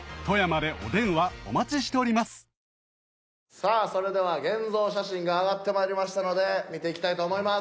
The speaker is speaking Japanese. さあそれでは現像写真があがってまいりましたので見ていきたいと思います。